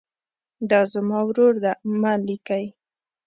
دا زما ورور ده مه لیکئ.